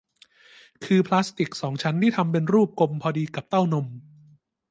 คือพลาสติกสองชั้นที่ทำเป็นรูปกลมพอดีกับเต้านม